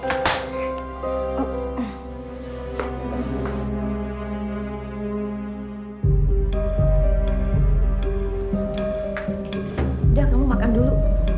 udah kamu makan dulu